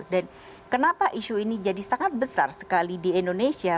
dan kenapa isu ini jadi sangat besar sekali di indonesia